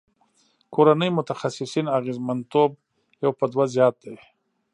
کورني متخصصین اغیزمنتوب یو په دوه زیات دی.